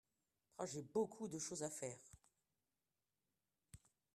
J'ai beaucoup de choses à faire.